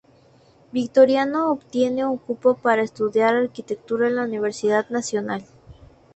Victorino obtiene un cupo para estudiar arquitectura en la Universidad Nacional.